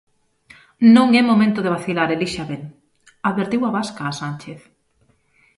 "Non é momento de vacilar, elixa ben", advertiu a vasca a Sánchez.